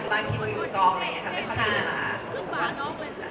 บางทีมันอยู่กองอะไรอย่างเงี้ยครับไม่ค่อยมีเงินละครับ